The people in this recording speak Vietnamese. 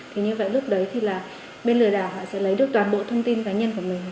thế nhưng mà lúc đấy thì là bên lừa đảo họ sẽ lấy được toàn bộ thông tin cá nhân của mình